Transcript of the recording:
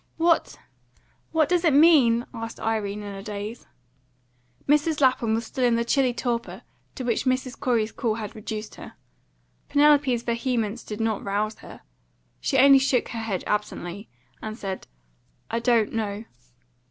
"What what does it mean?" asked Irene in a daze. Mrs. Lapham was still in the chilly torpor to which Mrs. Corey's call had reduced her. Penelope's vehemence did not rouse her. She only shook her head absently, and said, "I don't know."